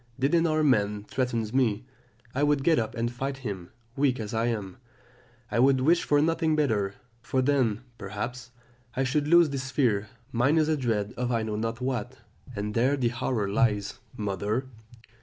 Did an armed man threaten me, I would get up and fight him; weak as I am, I would wish for nothing better, for then, perhaps, I should lose this fear; mine is a dread of I know not what, and there the horror lies. "Mother.